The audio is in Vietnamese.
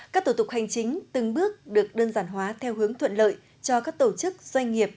các thủ tục hành chính từng bước được đơn giản hóa theo hướng thuận lợi cho các tổ chức doanh nghiệp